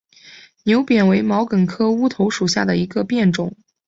牛扁为毛茛科乌头属下的一个变种。